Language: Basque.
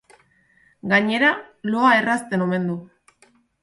Gainera, loa errazten omen du.